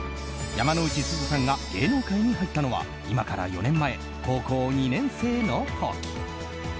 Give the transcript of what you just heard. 山之内すずさんが芸能界に入ったのは今から４年前、高校２年生の時。